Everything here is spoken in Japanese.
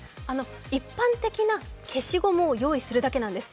一般的な消しゴムを用意するだけなんです。